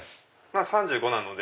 ３５なので。